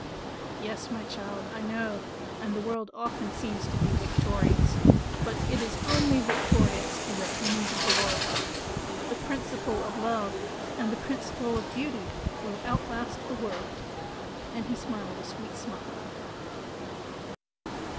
"Yes, my child, I know, and the world often seems to be victorious; but it is only victorious in the things of the world. The principle of love and the principle of beauty will outlast the world," and he smiled a sweet smile.